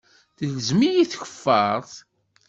Telzem-iyi tkeffaṛt.